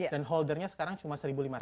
dan holdernya sekarang cuma satu lima ratus